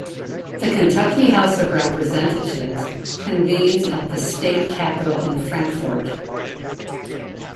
The Kentucky House of Representatives convenes at the State Capitol in Frankfort.